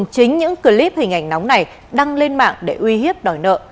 chính những clip hình ảnh nóng này đăng lên mạng để uy hiếp đòi nợ